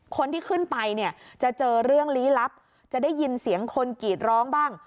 คนที่ขึ้นไปเนี่ยจะเจอเรื่องลี้ลับจะได้ยินเสียงคนกรีดร้องบ้าง